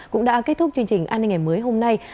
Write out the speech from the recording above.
cũng đã kết thúc chương trình an ninh ngày mới hôm nay